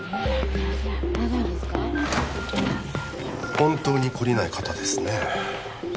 本当に懲りない方ですねえ